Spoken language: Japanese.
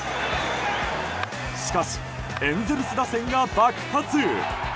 しかし、エンゼルス打線が爆発！